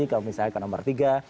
kalau misalnya ke nomor tiga